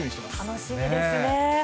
楽しみですね。